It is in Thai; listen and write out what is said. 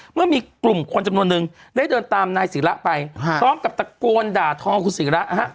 เมื่อมีกลุ่มคนจำนวนนึงได้เดินตามนายศรีรัตน์ไปซ้อมกับตะโกนด่าท้องคุณศรีรัตน์